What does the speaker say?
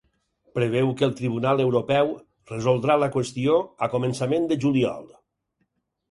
Preveu que el tribunal europeu resoldrà la qüestió a començament de juliol.